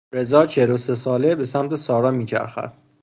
رضا چهلوسه ساله به سمت سارا میچرخد